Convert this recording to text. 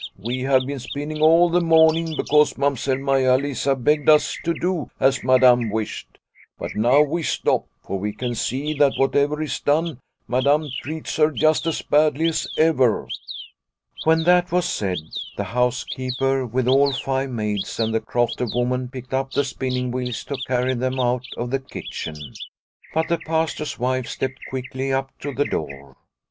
We have been spinning all the morning because Mamsell Maia Lisa begged us to do as Madam wished ; but now we stop, for we can see that whatever is done Madam treats her just as badly as ever." When that was said, the housekeeper with all five maids and the crofter woman picked up the spinning wheels to carry them out of the kitchen. But the Pastor's wife stepped quickly up to the door.